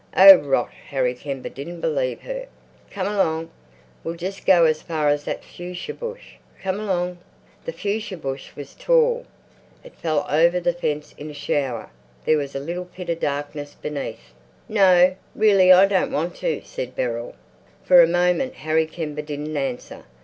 "Oh, rot!" Harry Kember didn't believe her. "Come along! We'll just go as far as that fuchsia bush. Come along!" The fuchsia bush was tall. It fell over the fence in a shower. There was a little pit of darkness beneath. "No, really, I don't want to," said Beryl. For a moment Harry Kember didn't answer.